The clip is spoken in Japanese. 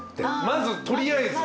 まず取りあえず？